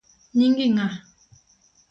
Nyingi ng’a?